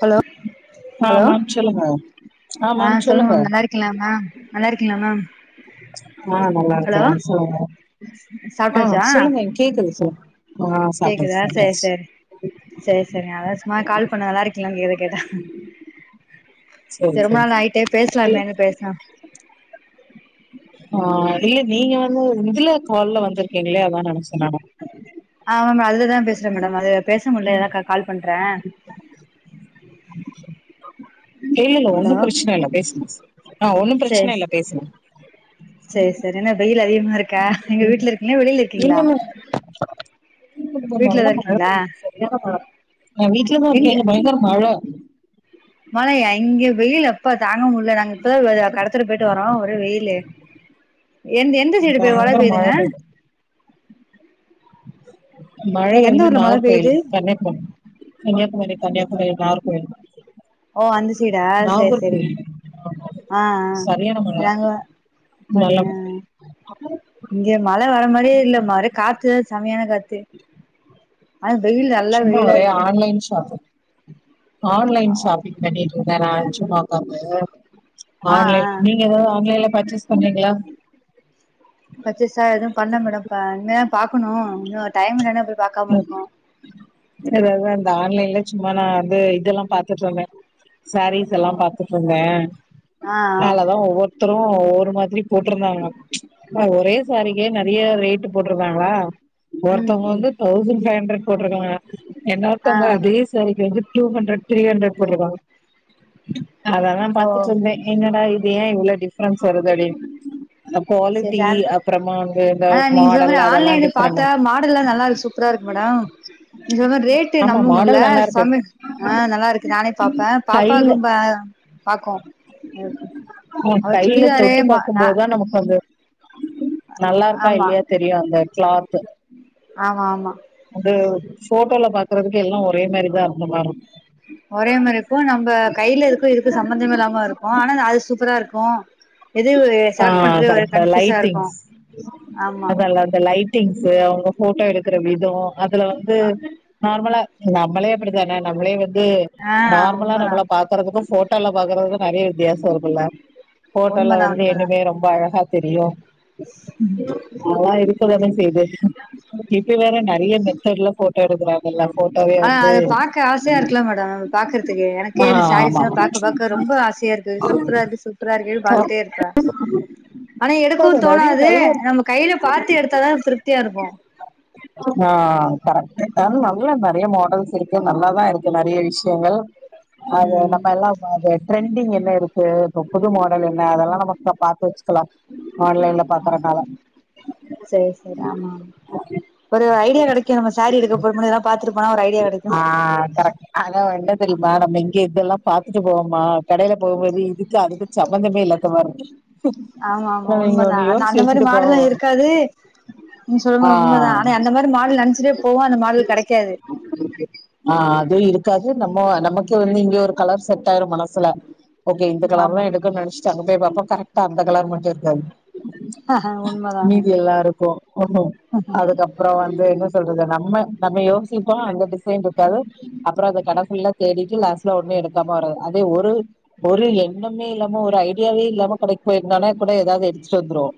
hello ஆ hello ma'am சொல்லுங்க ஆ மேம் சொல்லுங்க நல்லா இருக்கீங்களா மேம் நல்லா இருக்கீங்களா மேம் ஆ ஹலோ நல்லாருக்குறே சொல்லுங்க ஆ சாப்ட்டாச்சா சொல்லுங்க கேக்குது சொல்லு ஆ சாப்டாச்சு கேக்குதா சேரி சாப்டாச்சு சேரி சேரி சேரி அதா சும்மா கால் பண்ண நல்லா இருக்கீலா ஏதோ கேட்டா சேரி திரும்ப சேரி நைட்டே இல்ல பேசலாமேன்னுட்டு பேசலா ஆ இல்ல நீங்க வந்து இதுல கால்ல வந்திருக்கீங்களே அதா நெனைச்சே நானு ஆமா அதுலதா பேசுறே மேடம் அது பேச முல்ல எதா கால் பண்றே இல்லல்ல ஹலோ ஒன்னும் பிரச்சன இல்ல பேசுங்க ஆ ஒன்னும் சேரி பிரச்சன இல்ல பேசுங்க சேரி சேரி என்ன வெயில் அதிகமா இருக்கா எங்க வீட்ல இருக்கீங்களா வெளியில இருக்கீங்களா [inaudible] வீட்லதா நல்லா மழ இருக்கீங்களா பெய்யுது சரியான மழ நா வீட்லதா இருக்கே இங்க பயங்கர மழ மழயா இங்க வெயில் அப்பா தாங்க முடில்ல நாங்க இப்பதா கடத்தெரு போயிட்டு வரோ ஒரே வெயில்லு எந்த எந்த சைடு இப்ப மழ பயங்கர பெய்துங்க பெய்யுது மழ எந்த வந்து ஊர்ல மழ நாகர்கோயில் பெய்யுது சென்னை கன்னியாக்குமரி கன்னியாகுமரி நாகர்கோயில் ஓ அந்த சைடா சேரி சேரிங்க நாகர்கோயில் ஆமா ஆ ஆ சரியான மழ நாங்க நலம் அப்படியா இங்க மழ வர மாரியே இல்ல மர காத்து செம்மையான காத்து ஆனா வெயில் நல்லா சும்மா வெயிலா ஒரே இருக்கு ஆன்லைன் ஷாப்பிங் ஆன்லைன் ஷாப்பிங் பண்ணிட்டு இருக்கே நா சும்மா ஒக்காந்து ஆ ஆ ஆன்லைன் நீ நீங்க ஏதாது ஆன்லைன்ல பர்ச்சேஸ் பண்றீங்களா பர்ச்சேஸ்சா எதுவு பண்ல மேடம் இனிமேதா பாக்கணு இன்னு டைம் இல்லனு போய் பாக்காம இருக்கோ எதாவது அந்த ஆன்லைன்ல சும்மா நா வந்து இதெல்லா பாத்துட்ருந்தே சாரீஸ் எல்லா பாத்துட்டு இருந்தே ஆ அதுலதா ஒவ்வொரு த்தரு ஒவ்வொரு மாதிரி போட்ருந்தாங்க ஒரே சாரீக்கே நெறைய ரேட்டு போட்ருந்தாங்களா ம் ஒருத்தவுங்க ம் வந்து தௌசண்ட் ஃபைவ் ஹண்ட்ரட் போட்ருக்காங்க ஆ இன்னொருத்தவுங்க அதே ஸ் சாரீக்கு வந்து டூ ஹண்ட்ரட் த்ரீ ஹண்ட்ரட் போட்ருக்காங்க அததா ஓ பாத்துட்டுருந்தே என்னடா இது ஏ இவ்ளோ டிஃப்ரென்ஸ் வருது அப்டினு அந்த சேரி குவாலிட்டி சார் அப்பறமா வந்து இந்த மாடல் அதெல்லா டிஃப்ரெண்டா மாடலெல்லா நல்லா இருக்கு சூப்பரா இருக்கு மேடம் நீங்க சொன்ன மாரி ரேட்டு ஆமா நம்ப முல்ல மாடல் நல்லா இருக்கு சமிட் ஆ நல்லா இருக்கு நானே பாப்பே கையில பாப்பாக்கு பா பாக்கு ஆ கையில தொட்டு மா நா பாக்குபோதா நமக்கு கது நல்லா இருக்கா ஆமா இல்லையா தெரியு அந்த கிளாத்து ஆமா ஆமா வந்து போட்டோல பாக்குறதுக்கு எல்லா ஒரே மாரிதா இருக்குமா ஒரே மாரிக்கு நம்ப கையில இருக்கு இதுக்கு சம்மந்தமே இல்லாம இருக் கு ஆனாலு அது சூப்பரா இருக்கு எதுவு ஆ கரெக்ட் லைட்டிங்ஸ் ஆமா அதா அந்த லைட் டிங்ஸ்சு அவுங்க போட்டோ எடுக்குற விதோ அதுல வந்து நார்மலா நம்மளே அப்டித்தானே நம்மளே வந்து ஆ நார்மலா உண்மதா நம்மள பா க்கறதுக்கு போட்டோல பாக்குறதுக்கு நெறைய வித்தியாசொ இருக்குல அதுல உண்மதா வந்து இன்னுமே ரொம்ப அழகா தெரியு ம் அதலா இருக்கதானே செய்து இப்ப வேற நெறைய மெத்தட்ல போ ஆ அதுப் பாக்க ஆசையா இருக்ல மேடம் பாக்கறதுகே ஆ எனக்கே இந்த ஆமா சாரீஸ்லாம் பாக் இப்ப பாக்க ரொம்ப ஆசையாருக்கு சூப்பராருக்கு சூப்பராருக்கேனு பாத்துட்டேருக் [inaudible] ஆனா எடுக்கவு நெறைய தோணாது நல்லா நம்ம கைல பாத்து எடுத்தாதா திருப்தியா இருக்கு ஆ கரெக்ட்டு ஆனா நல்லா நெறைய மாடல்ஸ் இருக்கு நல்லாதா இருக்கு நெறைய விஷ்யங்கள் அது ம் நம்ம எல்லா அது ட்ரெண்டிங் என்ன இருக்கு இப்ப புது மாடலு நே அதெல்லா நம்ம இப்ப பாத்து வச்சுக்கலா ஆன்லைன்ல பாக்கறனால சேரி சேரி ஆமாமா ஒரு ஐடியா கெடைக்கு நம்ம சாரீ எடுக்க போடு போது இதலா பாத்துட்டுப்போனா ஒரு ஐடியா கெடைக்கு ஆ கரெக்ட் ஆனா ஒன்டத் தெரியுமா நம்ம இங்கியே இதெல்லாம் பாத்துட்டு போவோமா கடைல போகும்போது இதுக்கு அதுக்கு ம்பந்தமே இல்லதா மார்ருக்கு ஆமா ஆமா உண்மதா ஆனா அந்த மாரி போவோ மாடலா இருக்காது ம் சொல்லுங்க ஆ உண்மதா ஆனா அந்த மாரி மாடல் நென்ச்சிட்டே போவோ அந்த மாடல் கெடைக்காது [inaudible] ஆ அது இருக்காது நம்மோ நமக்கு வந்து இங்கியே ஒரு கலர் செட்டாயிரு மனசுல ஓகே இந்த ஆமா கலர்தா எடுக்குன் நென்ச்ட்டு அங்கப் போய் பாத்தோ கரெக்ட்டா அந்த கலர் மட்டு இருக்காது உண்மதா மீதி எல்லா இருக்கு ஒன்னும் அதுக்கப் ப்றோ வந்து என்ன சொல்றது நம்ம நம்ம யோசிப்போ அந்த டிசைன்ருக்காது அப்றோ அது கட ஃபுல்லா தேடிட்டு லாஸ்ட்ல ஒன்னு எடுக்காம வறது அதே ஒரு ஒரு எண்ணுமே இல்லம் மோ ஒரு ஐடியாவே இல்லாம கடைக் போய்ருந்தோனா கூட ஏதாவ்து எடுத்துட்டு வந்துருவோ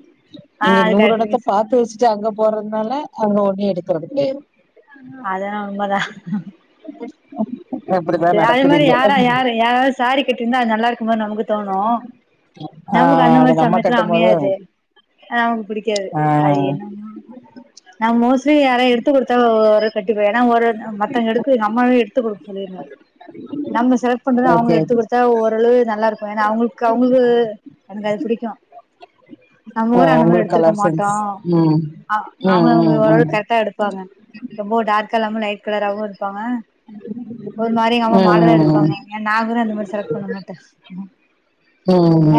ஆ இங்க அது நூறு கரெக்ட் எடத்த நீங்க சொ பாத்து வச்சுட்டு அங்க போறதுனால அங்க ஒன்னு எடுக்கறது கெடையாது அதலா உண்மதா அப்டிதா சே அதே நடக்குது மாரி இங்க யாரா யாரு யாராது சாரீ கட்டிருந்தா அது நல்லாருக்குமான் நமக்கு தோணு ஆ நமக்கு அந்த அது மாரி நம்ம சமயத்துல கட்டும் போது அமையாது நமக்கு பிடிக்காது ஆ அது என்னமா நா மோஸ்லி யாரா எடுத்து குடுத்தா ஒ ஒரு கட்டிப்பே ஏனா ஒருன் அ மத்தவங்க எடுக்கு எங்கம்மாவே எடுத்து குடுக் சொல்லிருந்த நம்ம செலக்ட் பண்ற அவுங்க ஓகே எடுத்து ஓகே குடுத்தா ஓரளவு நல்லாருக் கு ஏனா அவுங்குள்க்கு அவுங்குளு எனக்கு அது புடிக்கு நம்ம ஊர ஆ அந்த மாதிரி உங்களுக்கு எடுத்திருக்க கலர் மாட்டோ சென்ஸ் ம் அ ம் அவுங்கள அவுங்க ம் ம் ஓரளவு கரட்டா எடுப் ப்பாங்க ரொம்போ டார்க்கா இல்லாம லைட் கலராவு இருப்பாங்க [inaudible] ஒரு மாரி எங்கம்மா மாடலா ம் ம் எடுப்பாங்க ஏ நாங்கூட அந்த மாரி செலக்ட் பண்ண மாட்ட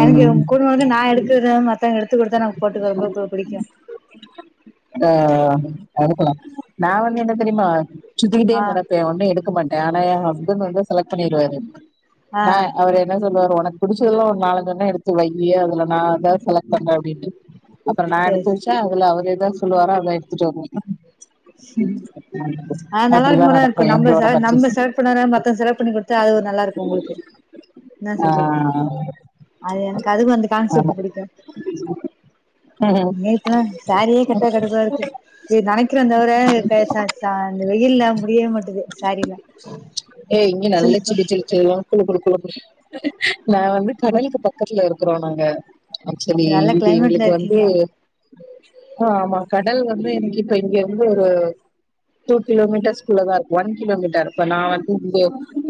எனக்கு ரொம் குடும்ப வந்து நா எடுக்கரத மத்தவங்க எடுத்து குடுத்தா எனக்கு போட்டுக்க ரொம்ப பு புடிக்கு ஆ அதுக்குலா நா வந்து என்னத் தெரிமா சுத்திட்டே ஆ நெடப்பே ஒன்னு எடுக்க மாட் ஏனா எ ஹஸ்பண்ட் வந்து செலக்ட் பண்ணிருவாரு ஆ நா அவரு என்ன சொல்வாரு ஒனக் புடிச்சதல்லா ஒரு நாலந்து வென்னா எடுத்து வையி அதுல நா எதா செலக்ட் பண்ண அப்டின்னு அப்பறம நா சேரி எடுத்து வச் ட்டா அதுல அவர் எதா சொல்லுவாரா அதா எடுத்துட்டு வருவே ஆ நல்லாருக்க அப்டிதா மார்தா இருக்கு நடக்கு நம்ம எங்களோட செலக்ட் நம்ம பர்ச்சேஸ் செலக்ட் பண்ணண மத்தச் செலக் பண்ணி குடுத் த்தா அது ஒரு நல்லாருக்கு உங்குளுக்கு என்னா ஆ சொல்றீங்க அது எனக்கு அதுவு அந்த ஆமா கான்செப்ட் புடிக்கு ம் நேத்துலா சாரியே கெட்ட கடுப்பாருக்கு ஏக் நெனைக் க்கிறந் தவர க ச சா இந்த வெயில்ல முடியவே மாட்டது சாரீல ஏய் இங்க நல்ல சிலுசிலு குளு குளு குளு நா வந்து கடலுக்கு பக்கத்ல இருக்றோ நாங்க ஆக்சுலி நல்ல இது கிளைமேட்ல எங்ளுக்கு வந்து இருக்கீங்க ஆ ஆமா கடல் வந்து எனக்கு இப்ப இங்க இந்து ஒரு டூ கிலோமீட்டர்ஸ்குள்ளதா இருக்கு ஒன் கிலோமீட்டர் இப்ப நா வந்து இங்க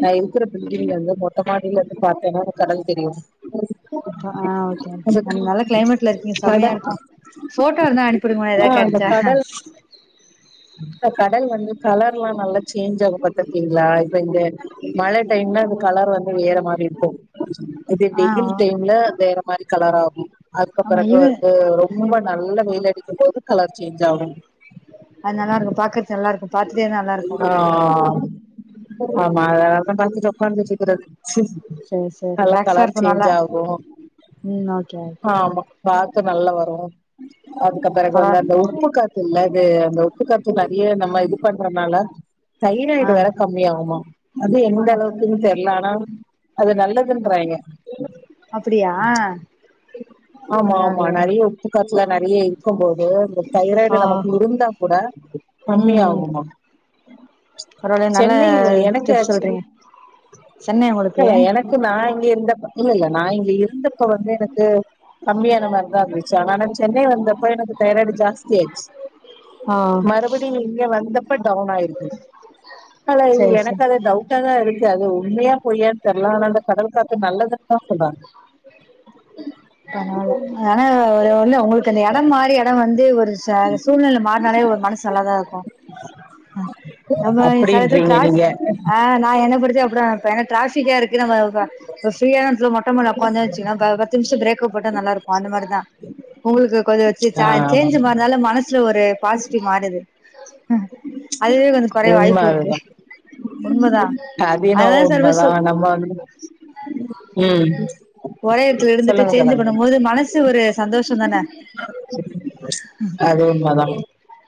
அ இருக்கிற பில்டிங்ல இந்து மொட் ட்டமாடிலர்ந்து பாத்தனா எனக் கடல் தெரியு ம் அப்ப ஆ ஓகே அன் நல்ல கிளைமேட்ல இருக்கீங்க கடல் செம்மையாருக்கு ஃபோட்டோ இருந்தா அனிப்புடுங்மா ஆ எதாவ் கெடச்சா க்கா கடல் வந்து கலர்ல்லா நல்லா சேஞ்ச் ஆக பாத்தருக்கீங்களா இப்ப இங்க மழ டைம்ல அது கலர் வந்து வேற மாரி இருக்கு இதே ஆ வெயில் டைம்ல வேற மாரி கலராகு அதுக்கு ஆமா பிறகு இது வந்து ரொம் ரொம்ப நல்ல வெயில் அடிக்கும் போது கலர் சேஞ்ச் ஆகு அது நல்லா இருக்கும் பாக்றது நல்லா இருக்கு பாத்துட்டே இருந்தா நல்லா இருக்கும் ஆ ஆமா அதனாலதா பாத் தக்கான சரி சரி நல்லா ரிலாக்ஸா கலர் இருக்கு சேஞ்ச் நல்லா [unintelligible] ஆகு ம் ஓகே ஆமா காத்து நல்லா வரு அதுகப்றோ பரவா உள்ள அந்த உப்பு காத்துல அது அந்த உப்பு காத் து நெறய நம்ம இது பண்றனால ஆ தைராய்டு வேற கம்மியாகுமா அது எந்த அளவுக்குன்னு தெர்ல ஆனா அது நல்லதுன்றாங்கே அப்டியா ஆமா ஆமா பரவால்லயே நெறைய உப்பு காத்துல நெறய இருக்கும்போது இந்த தைராய்டு ஆ நமக்கு இருந்தா கூட ம் ம் கம்மியாகுமா ஆ பரவாயில்லையே நல்ல சென்னைஒயே எனக்கு டிப்ஸ் ஆக்சுவலி சொல்றீங்க சென்னை உங்களுக்கு இல என க்கு நா இங்க இருந்தப்ப இல்ல இல்ல நா இங்க இருந்தப்ப வந்து எனக்கு கம்மியான மாரிதா இருந்துச்சு ஆனா நா சென்னை வந்தப்ப எனக்கு தைராய்டு ஜாஸ்தி ஆயிடுச்சு ஆ மறுபடியு இங்க வந்தப்ப டவுன் ஆயிருக்கு ஆனா சரி சரி எனக்கு அத டவுட் டா தா இருந்துட்சு அது உண்மையா பொய்யானு தெர்ல ஆனா அந்த கடல் காத்து நல்லதுனுதா சொல்றாங்க தனால் ஆனா ஒரு அந்த உங்களுக்கு அந்த இடம் மாறி இடம் வந்து ஒரு சாக சூழ்நில மாற்னாலே ஒரு மனசு நல்லாதா இரு அமா சத்த அப்டின்றீங்க திராஸ் நீங்க [unintelligible] ஆ நா என புடிச்சப்றோ எனா ட்ராஃபிக்கா இருக் கிறனாலதா இப்ப ஃப்ரீயான நேரத்ல மொட்ட மாடில உட்காந்தே வச்சுங்களே பத்து நிமிஷ பிரேக் க்கு போட்டா நல்லா இருக்கு அந்த மாதிரிதா உங்களுக்கு கொஞ்சோ சே ச்சா ஆ சேன்ஜ் மா அத்னால மனசுல ஒரு பாசிட்டிவ் மாறுது ப்ச் அதுவே கொஞ்சோ கொறைய உண்ம வாய்ப்பு இருக்கு அதுதா உண்மதா அதினோ அதனால சர்வீஸ் உண்மதா நம்ம வந்து ம் ஒரே எடத்துல இருந்துட்டு சொல்லுங்க சேஞ்சு சொல்லுங்க பண்ணுபோது மனசு ஒரு சந்தோஷம்தான ப்ச் அது உண்மதா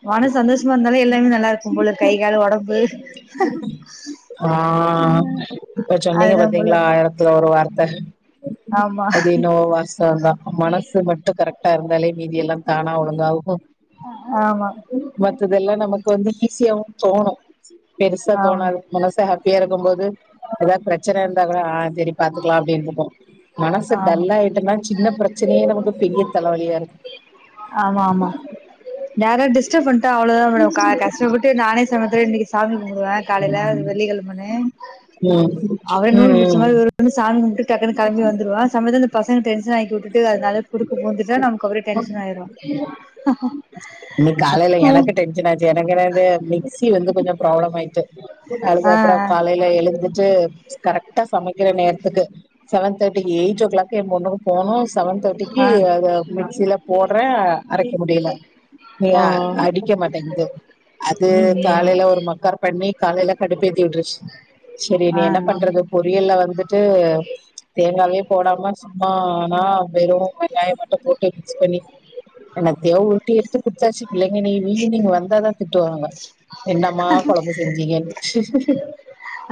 மனசு சந்தோஷமா இருந்தாலே எல்லாமே நல்லா இருக்கும் போல கை கால் ஒடம்பு ஆ இப்ப சென்னைய அதுதா போல பாத்தீங்களா அழகா த்ல ஒரு வார்த்த ஆமா அது என்னவோ வாஸ் தவந்தா மனசு மட்டு கரெக்டா இருந்தாலே மீதி எல்லா தானா ஒழுங்காகும் ஆமா மத்ததெல்லாம் நமக்கு வந்து ஈஸியாவும் தோணு பெருசா ஆமா தோணாது மனசு ஹாப்பியா இருக்குபோது ஏதாவது ப்ரச்சன இருந்தா கூட ஆ செரி பாத்துக்கலாம் அப்டின்ட்டுக்கு மனசு ஆமா டல்லாயிட்டு ன்னா சின்ன ப்ரச்சனயே நமக்கு பெரிய தலவலியாருக்கு ஆமா ஆமா யாரா டிஸ்டர்ப பண்ணிட்டா அவ்ளோதா மேடம் கஷ்டப்பட்டு நானே சமத்து இன்னக்கி சாமி கும்ப்டுவே காலைல வெள்ளி கிழமன்னு ம் அவே நூல் ம் புடிச்ச ம் மாரி ருந்து சாமி கும்ப்ட்டுட்டு டக்குனு களம்பி வந்துருவா சமயத்துல பசங்க டென்ஷனாகிவுட் ட்டு அதனால குறுக்க பூந்துட்டா நமக்கு ஒரே டென்ஷனாயிடுவா இன்னக்கி காலைல எனக்கு என்னாச்சு எனக்கென்னனு மிக்சி வந்து கொஞ்சொ ப்ராப்ளம் ஆயிட்டு ஆ அதுகப்றோ காலைல எழுந் துட்டு கரக்டா சமைக்கிற நேரத்துக்கு செவன் தேர்டிக்கு எயிட் ஓ கிளாக் என்பொண்ணுக்கு போனோ செவன் தேர்ட்டிக்கு ஆ ஆ அத மிக்சில போடுற அரைக்க முடியல நீ ஓ அடிக்க மாட்டேங்து அது ம் ம் காலைல ஒரு மக்கார் பண்ணி காலைல கடுப்பேத்தி உட்ருச்சு சரி இனி ஆ என்ன ஆ பண்றது பொரியல்ல வந்துட்டு தேங்காவே போடாம சும்மானா வெரும் வெங்காய மட்டு போட்டு மிக்ஸ் பண்ணி என்னதயோ புரட்டி எடுத்து குட்த்தாச்சு பிள்ளைங்க [unintelligible] ஈவினிங் வந்தாதா திட்டுவாங்க என்னம்மா கொழம்பு செஞ்சீங்கன்னு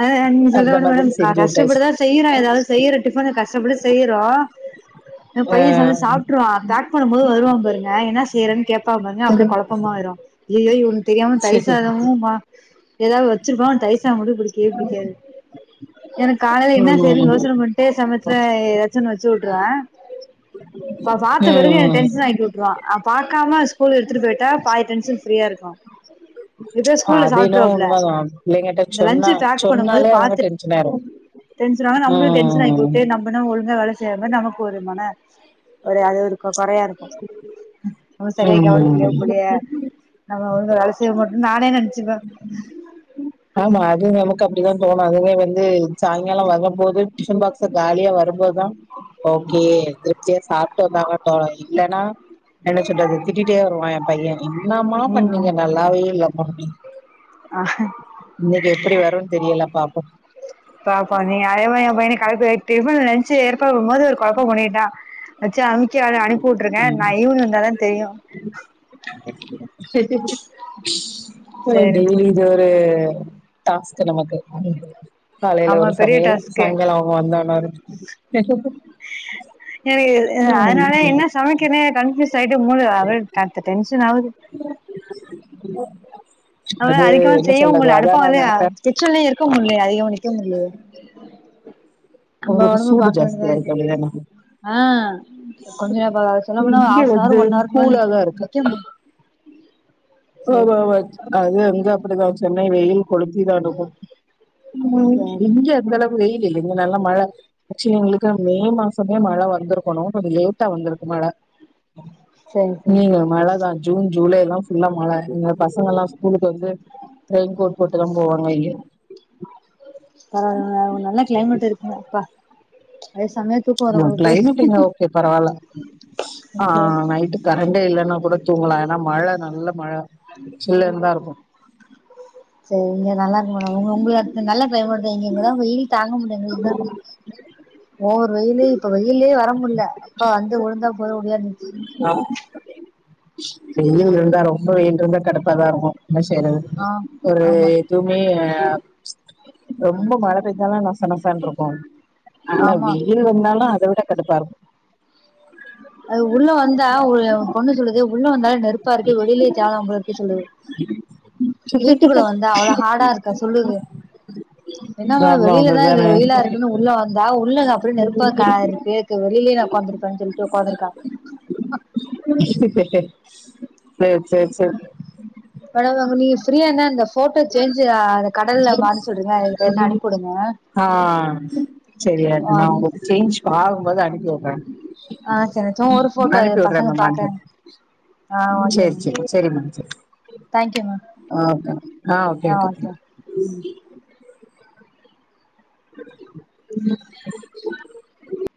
ஆ ஆ அந்த [unintelligible] மேடம் மாதிரி செஞ்சு விட்டாச்சு கஷ்டப்பட்டுதா செய்ற ஏதாது செய்ற டிஃபன கஷ்டப்பட்டு செய்யறோ என் ஆ பைய சாந்த்ரோ சாப்ட்ருவா பேக் பண்ணு போது வருவா பாருங்க என்ன செய்றேன்னு கே ப்ப்பா பாருங்க அப்டியே கொழப்பமாயிரு ஐயயோ இவனுக்கு தெரியாம தயிர் சரி சாதமு மா ஏதாது வச்சிருப்போ டி பிடிக்கே பிடிக்காது எனக்கு காலலேல ல என்ன செய்னு ம் யோசன பண்ண அப்பயே சமைச்சத ஏதாச்சு ஒன்னு வச்சு விட்டுருவ இவ பா்த்த பிறகு என ம் டென்ஷன் ஆக்கி விட்டுருவான் ஆ பாக்காம ஸ்கூல் எத்துட்டுபோயிட்டா பாதி டென்ஷன் ஃப்ரீயா இருக்கு எதோ ஸ்கூல்லல சாப்ட்டுருவாப்ல ம் பிள்ளைங்கட்ட இந்த சொன்னா லஞ்சு பேக் பண்ணும் போது சொன்னாலே அவங்க பாத்து டென்ஷன் ஆயிரு டென்ஷன் ஆனா நம்மளும் டென்ஷன் ஆயி ம் [unintelligible] ஆனா ஒழுங்க வேல செய்யாம நமக்கு ஒரு மன ஒரு அது ஒரு கொறையா இருக்கு நம்ம சரியா கவனிக்கலையா ம் புள்ளைய நம்ம ஒழுங்கா வேல செய்வ மாட்ரோ நானே நென்ச்சுப்பே ஆமா அது நமக்கு அப்டிதா தோணு அதுவே வந்து சாயங்காலம் வரபோது டிஃபன் பாக்ஸ் காலியா வரும்போதுதா ஓகே திருப்தியா சாப்பட்டு [unintelligible] இல்லன்னா என்ன சொல்றது திட்டிட்டே வருவா என் பைய என்னமா ம் பண்ணீங்க நல்லாவே இல்ல மா அப்டின்னு ஆ இன்னிக்கு எப்டி வருனு தெரியல பாப்போ [unintelligible] அதே மாரி என் பைய காலேல டிபனு லஞ்சு ஏற்பாட் பண்ணு போது ஒரு குழப்போ பண்ணிட்டா வச்சு அமுக்கி அவன அனுப்பி உட்டுருக்கே நா ஈவினிங் வந்தா தா தெரியு ஆ சரி டெய்லி இது ஒரு டாஸ்க் நமக்கு காலேல ஆமா ஒரு பெரிய சமையல் டாஸ்க்கு சாய்ங்காலோ அவங்க வந்தானா எனக்கு ஆ அதனால என்ன சமைக்கனோ கன்ஃபியூஸ் ஆயிட்டு மூள [unintelligible] டென்ஷன் ஆவுது [unintelligible] அனால அது அதிகமா என்ன செய்யவு சொல்றது முட்ல அதா அடுப்பு நா வந்து நெனப்பே கிச்சன்லயு இருக்க முட்லயா அதிகமா நிக்க முட்லயே நம்ப உங்களுக்கு ஓடம்பு சூடு பாக்க வேண்டியதா ஜாஸ்தியா இருக்கு அப்டிதான ஆ கொஞ்ச இப்ப சொல்லப்போனா இங்க வந்து ஹாஃப்னவர் ஒன் அவர்க்கு மேல கூலா தான் இருக்கு நிக்க மு சேரி சேரி ஆமாமா அது அங்க அப்டிதா சென்னை வெயில் கொளுத்திதா இருக்கு உம் ஓகே ஓகே இங்கே அந்த அளவுக்கு வெயில் இல்லிங்க நல்ல மழ ஆக்சுவலி எங்களுக்கு மே மாசமே மழ வந்த்ருக்கோணு கொஞ்ச லேட்டா வந்துருக்கு மழ சேரி இனிமே சேரி இங்க மழதா ஜூன் ஜூலை எல்லா ஃபுல்லா மழ இங்க பசங்கல்லா ஸ்கூலுக்கு வந்து ரெயின் கோட் போட்டு தா போவாங்க இங்கே ஆ ஆ நல்ல க்ளைமேட்டு இருக்குமோ அப்பா அத சமய ஆ க்ளைமேட் இங்க ஓகே பரவால்ல ஆ ஓகே நைட் கரண்டே இல்லன்னா கூட தூங்கலா ஏன்னா மழ நல்ல மழ சில்னுதா இருக்கு சேரிங்க நல்லா இருக்கு மேடம் உங்க உங்களுக்கு நல்லா கிளைமேட் தா இங்க எங்க தா வெயில தாங்க முடில எங்களுக்குதா ஓவர் வெயிலு இப்ப வெயில்லயே வர முட்ல அப்ப வந்து உழுந்தா போது அப்டினு இருந்ச்சு ஆ வெயில் இருந்தா ரொம்ப வெயில் இருந்தா கடுப்பாதா இருக்கு என்ன செய்யறது ஆ ஒரு ஆமா எதுமே ரொம்ப மழ பெஞ்சாலு நச நசன்ருக்கு ஆனா ஆமா வெயில் வந்தாலு அத விட கடுப்பா இருக் அது உள்ள வந்தா ஒ என் பொண்ணு சொல்லுது உள்ள வந்தால நெருப் பா இருக்கு வெளியிலேயே தேவலாம் போல இருக்கு சொல்லுது வீட்டுக்குள்ள வந்த அவ்ள ஹார்டா இருக்கா சொல்லுது என்னமா ஆமா வெளில தா இது அப்டிதானே வெயிலா இருக்குன்னு உள்ள வந்தா உள்ள அப்டியே நெருப்பா காயுது [unintelligible] வெளியிலயே நா உக்காந்துருப்பே சொல் உக்காந்துருக்காங்க [unintelligible] சேர் சேர் சேரி [inaudible] மேடம் நீங்க ஃப்ரீயா இந்த போட்டோ சேஞ்சு ஆ கடல்ல மாத்த சொல்றீங்க இருந்தா அனுப்பிடுங்க ஆ செரியா நா உங்க செஞ்சு பாக்கும்போது அனுப்பிவுடுறே ஆ செரிச்சோ ஒரு போட்டோ பசங்க பாக்க அனுப்பி ஆ ஓகே சேரி மேம் சேரி சேரி மேம் சேரி தேங்க் யூ மேம் ஆ ஓகே ம் [unintelligible]